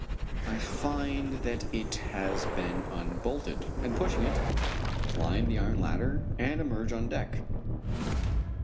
I find that it has been unbolted, and pushing it open, climb the iron ladder and emerge on deck.